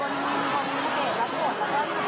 คุณผู้สามารถได้คิดคุณผู้สามารถได้คิด